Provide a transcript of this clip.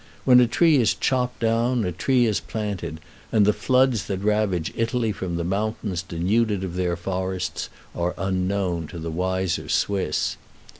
When a tree is chopped down a tree is planted, and the floods that ravage Italy from the mountains denuded of their forests are unknown to the wiser Swiss.